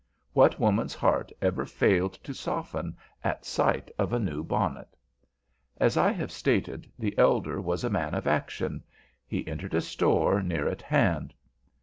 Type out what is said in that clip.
What woman's heart ever failed to soften at sight of a new bonnet? As I have stated, the elder was a man of action. He entered a store near at hand.